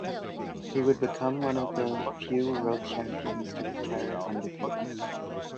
He would become one of the few world champions to retire undefeated.